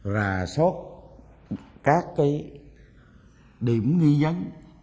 và soát các điểm nghi dấn